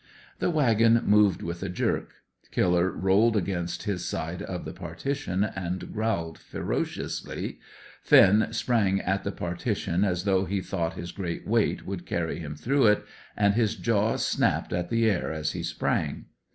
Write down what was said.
The wagon moved with a jerk, Killer rolled against his side of the partition and growled ferociously; Finn sprang at the partition as though he thought his great weight would carry him through it, and his jaws snapped at the air as he sprang.